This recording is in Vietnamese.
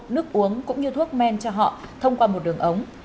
nước uống cũng như thuốc men cho họ thông qua một đường ống